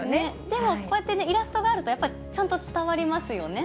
でも、こうやってイラストがあると、やっぱりちゃんと伝わりますよね。